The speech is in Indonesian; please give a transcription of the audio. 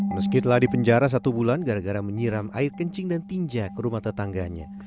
meski telah dipenjara satu bulan gara gara menyiram air kencing dan tinja ke rumah tetangganya